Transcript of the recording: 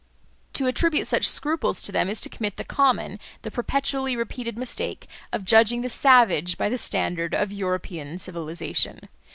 To attribute such scruples to them is to commit the common, the perpetually repeated mistake of judging the savage by the standard of European civilisation.